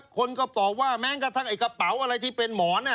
คนก็ตอบว่าแม้งกระเป๋าอะไรที่เป็นหมอน